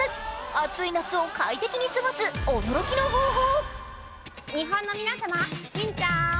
暑い夏を快適に過ごす驚きの方法。